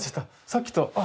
さっきとあ